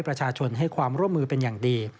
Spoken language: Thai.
ประชาชนให้ความร่วมมือเป็นอย่างดี